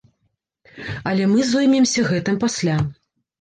Але мы зоймемся гэтым пасля.